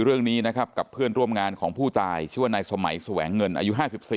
เรื่องนี้นะครับกับเพื่อนร่วมงานของผู้ตายชื่อว่านายสมัยแสวงเงินอายุ๕๔